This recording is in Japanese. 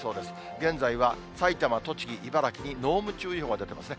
現在は、埼玉、栃木、茨城に濃霧注意報が出てますね。